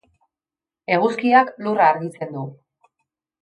eguzkiak lurra argitzen du